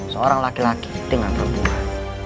seorang laki laki tinggal berpura pura